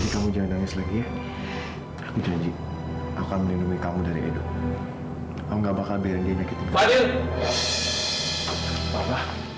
kenapa kamu bikin kamilah menangis